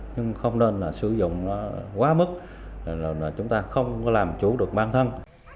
nhưng không nên sử dụng quá mức chúng ta không có làm chủ được bản thân